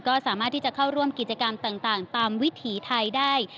ก็สามารถที่จะเข้าร่วมกิจกรรมต่างตามวิถีไทยได้